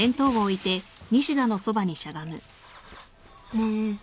ねえ。